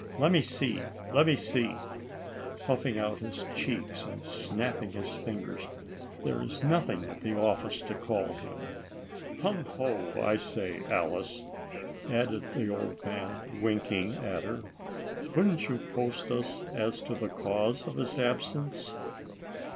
Le'me see, le'me see," puffing out his cheeks and snap ping his fingers, "there is nothing at the office to call him. Hum, ho ! I say, Alice," added the old man, winking at her, ' couldn't you post us as to the cause of his absence